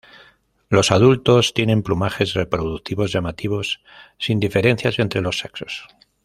Los adultos tienen plumajes reproductivos llamativos, sin diferencias entre los sexos.